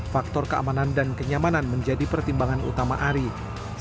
faktor keamanan dan kenyamanan menjadi pertimbangan utama arief